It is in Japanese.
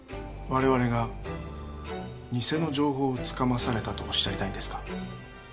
われわれが偽の情報をつかまされたとおっしゃりたいんですか？